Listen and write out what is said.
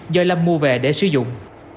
do lâm mua về để sử dụng